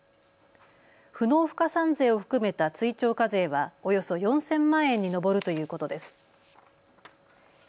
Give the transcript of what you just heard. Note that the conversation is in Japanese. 不納付加算税を含めた追徴課税はおよそ４０００万円に上るということです。